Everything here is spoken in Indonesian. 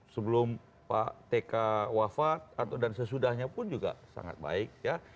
sebelum pak tk wafat atau dan sesudahnya pun juga sangat baik ya